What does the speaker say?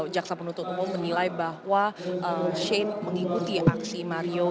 jaksa penuntut umum menilai bahwa shane mengikuti aksi mario